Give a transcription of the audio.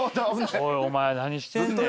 おいお前何してんねん。